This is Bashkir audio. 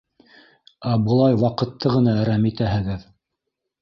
Ә былай ваҡытты ғына әрәм итәһегеҙ!